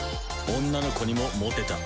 女の子にもモテた。